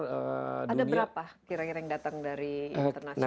ada berapa kira kira yang datang dari internasional